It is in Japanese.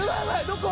どこ？